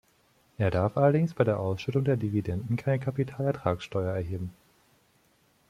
Er darf allerdings bei der Ausschüttung der Dividenden keine Kapitalertragsteuer erheben.